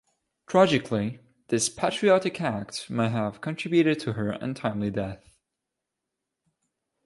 Tragically, this patriotic act may have contributed to her untimely death.